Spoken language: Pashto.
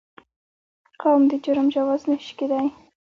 قوم د جرم جواز نه شي کېدای.